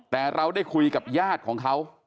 แต่เราได้คุยกับญาติของเขา